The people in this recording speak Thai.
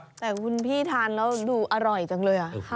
แต่คุณพี่ทานแล้วดูอร่อยจังเลย